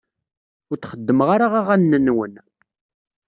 Ur d-xeddmeɣ ara aɣanen-nwen.